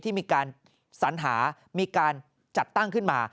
ที่มีการสัญหามีการจัดตั้งขึ้นมา